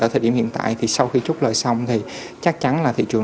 ở thời điểm hiện tại thì sau khi trút lợi xong thì chắc chắn là thị trường